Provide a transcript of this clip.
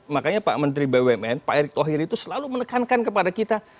makanya pak menteri bumn pak erick thohir itu selalu menekankan kepada kita